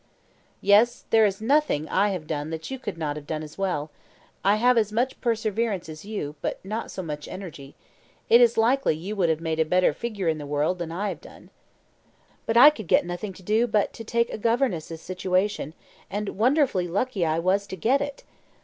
"Yes, there is nothing I have done that you could not have done as well. I have as much perseverance as you, but not so much energy. It is likely you would have made a better figure in the world than I have done." "But I could get nothing to do but to take a governess's situation; and wonderfully lucky I was to get it.